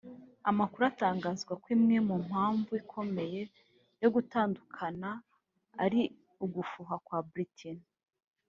amakuru atangazwa ko imwe mu mpamvu ikomeye yo gutandukana ari ugufuha kwa Britney